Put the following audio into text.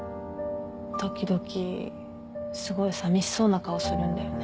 時々すごいさみしそうな顔するんだよね。